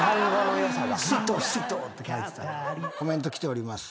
コメント来ております。